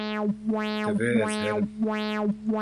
Divê ez herim.